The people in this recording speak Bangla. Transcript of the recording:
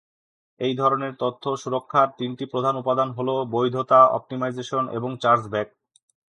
এই ধরনের তথ্য সুরক্ষার তিনটি প্রধান উপাদান হল বৈধতা, অপ্টিমাইজেশন এবং চার্জব্যাক।